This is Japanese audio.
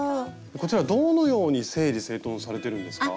こちらどのように整理整頓されてるんですか？